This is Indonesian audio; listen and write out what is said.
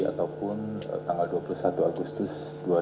ataupun tanggal dua puluh satu agustus